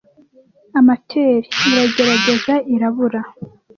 amateur. Iragerageza irabura,